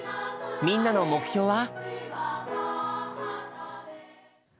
みんなの目標は？